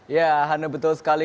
ya hana betul sekali